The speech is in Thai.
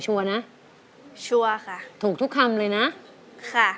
นะชัวร์ค่ะถูกทุกคำเลยนะค่ะ